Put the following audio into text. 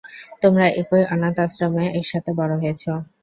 তোমরা একই অনাথ আশ্রমে একসাথে বড় হয়েছ।